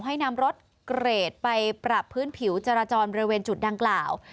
ให้นำรถเกรดไปปรับพื้นผิวจราจรบริเวณจุดดังกล่าว